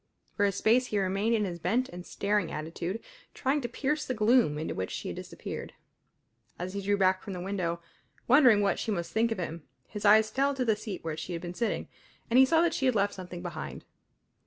For a space he remained in his bent and staring attitude, trying to pierce the gloom into which she had disappeared. As he drew back from the window, wondering what she must think of him, his eyes fell to the seat where she had been sitting, and he saw that she had left something behind.